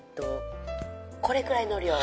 これくらいの量を。